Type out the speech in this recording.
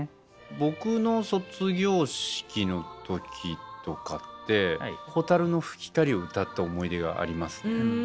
僕の卒業式の時とかって「蛍の光」を歌った思い出がありますね。